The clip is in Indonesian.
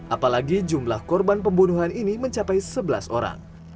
apalagi jumlah korban pembunuhan ini mencapai sebelas orang